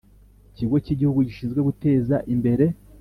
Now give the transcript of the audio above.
Kigo cy Igihugu gishinzwe Guteza Imbere